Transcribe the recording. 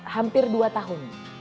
hampir dua tahun